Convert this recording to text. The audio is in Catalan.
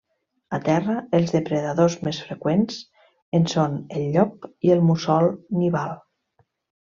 A terra, els depredadors més freqüents en són el llop i el mussol nival.